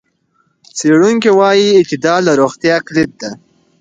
څېړونکي وايي اعتدال د روغتیا کلید دی.